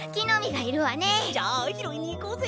じゃあひろいにいこうぜ。